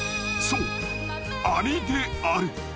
そうアリである。